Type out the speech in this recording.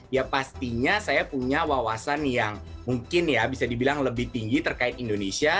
ya pastinya saya punya wawasan yang mungkin ya bisa dibilang lebih tinggi terkait indonesia